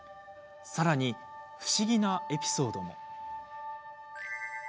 さらに、不思議なエピソードも。